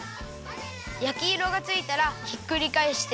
やきいろがついたらひっくりかえして。